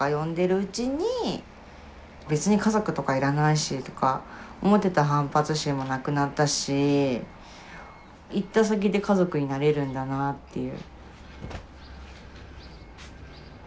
うちに別に家族とかいらないしとか思ってた反発心もなくなったし行った先で家族になれるんだなっていう。